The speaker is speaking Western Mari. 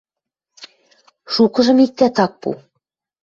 — Шукыжым иктӓт ак пу.